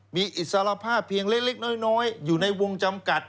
มีอิสรภาพเพียงเล็กน้อยอยู่ในวงจำกัด